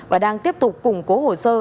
và đang tiếp tục củng cố hồ sơ